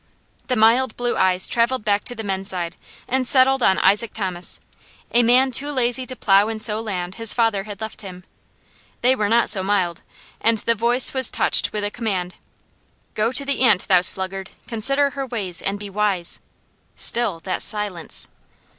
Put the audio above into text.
The mild blue eyes travelled back to the men's side and settled on Isaac Thomas, a man too lazy to plow and sow land his father had left him. They were not so mild, and the voice was touched with command: "Go to the ant, thou sluggard, consider her ways and be wise." Still that silence.